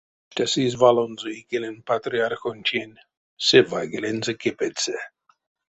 Пачтясызь валонзо икелень патриархонтень, се вайгелензэ кепедьсы.